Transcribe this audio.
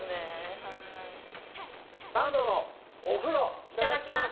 「サンドのお風呂いただきます」。